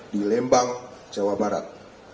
di lembang jawa barat